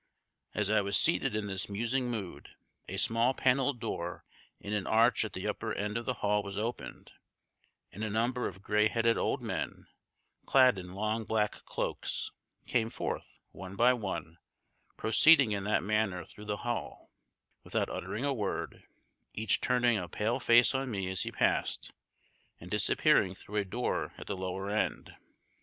As I was seated in this musing mood a small panelled door in an arch at the upper end of the hall was opened, and a number of gray headed old men, clad in long black cloaks, came forth one by one, proceeding in that manner through the hall, without uttering a word, each turning a pale face on me as he passed, and disappearing through a door at the lower end.